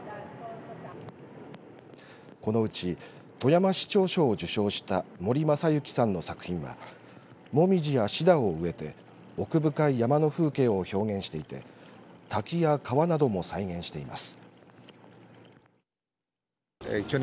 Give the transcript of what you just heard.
このうち富山市長賞を受賞した森政幸さんの作品は紅葉やシダを植えて奥深い山の風景を表現していて滝や川なども再現しています。